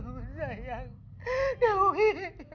terjata selama ini